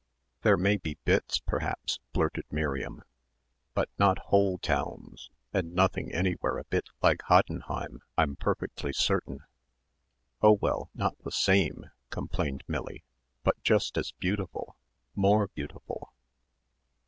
"There may be bits, perhaps," blurted Miriam, "but not whole towns and nothing anywhere a bit like Hoddenheim, I'm perfectly certain." "Oh, well, not the same," complained Millie, "but just as beautiful more beautiful."